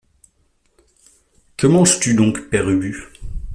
Que manges-tu donc, Père Ubu ?